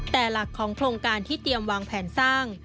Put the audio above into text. แต่หลักของโครงการที่เตรียมวางแผนสร้าง